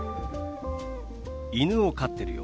犬を飼ってるよ。